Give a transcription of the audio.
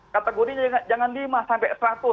kategorinya jangan lima sampai seratus